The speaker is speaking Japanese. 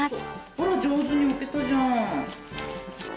あら上手に置けたじゃん。